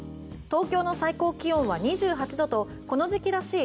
東京の最高気温は２８度とこの時期らしい